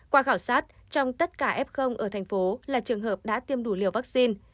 qua khảo sát trong tất cả f ở thành phố là trường hợp đã tiêm đủ liều vaccine